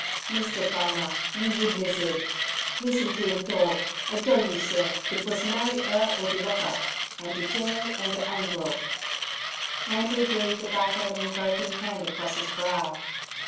'Misder Palmer, you widness id. Listen to 'im torg. I dell you, sir, id wass marry 'er or de lockup andt der jail andt der 'ang rope.' Andrew drew the back of an invoking hand across his brow.